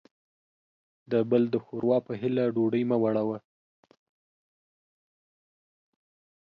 د بل د ښور وا په هيله ډوډۍ مه وړوه.